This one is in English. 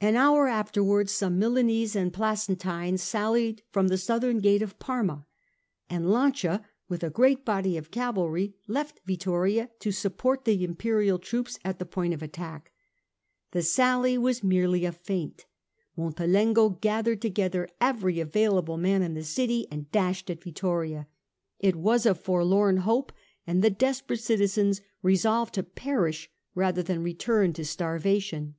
An hour afterwards some Milanese and Placentines sallied from the Southern gate of Parma, and Lancia, with a great body of cavalry, left Vittoria to support the Imperial troops at the point of attack. The sally was merely a feint. Montelengo gathered together every available man in the city and dashed at Vittoria. It was a forlorn hope and the desperate citizens resolved to perish rather than return to starva tion.